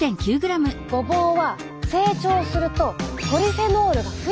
ごぼうは成長するとポリフェノールが増えていくんです。